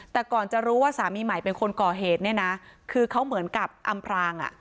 แต่ก่อนจะรู้ว่าสามีใหม่เป็นคนก่อเหตุเนี่ยนะคือเขาเหมือนกับอำพรางอ่ะ